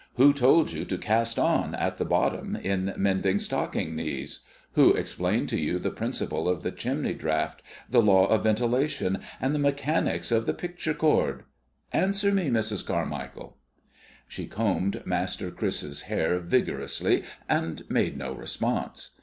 Who told you to cast on at the bottom in mending stocking knees? Who explained to you the principle of the chimney draught, the law of ventilation, and the mechanics of the picture cord? Answer me, Mrs. Carmichael." She combed Master Chris's hair vigorously and made no response.